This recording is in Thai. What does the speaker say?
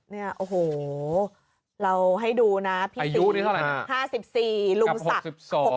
เนี่ยโอ้โหเราให้ดูนะพี่ติ๋ว๕๔ลุงศักดิ์